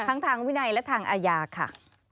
ทางวินัยและทางอาญาค่ะ